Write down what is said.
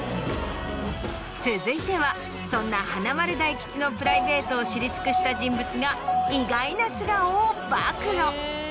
続いてはそんな華丸・大吉のプライベートを知り尽くした人物が意外な素顔を暴露。